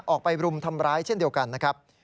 ออกไปรุมทำร้ายเช่นเดียวกันนะครับ